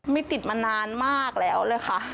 ไม่ติดมานานมากแล้วเลยค่ะ